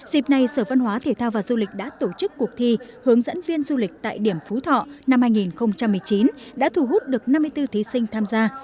dịp này sở văn hóa thể thao và du lịch đã tổ chức cuộc thi hướng dẫn viên du lịch tại điểm phú thọ năm hai nghìn một mươi chín đã thu hút được năm mươi bốn thí sinh tham gia